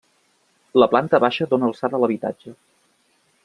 La planta baixa dóna alçada a l'habitatge.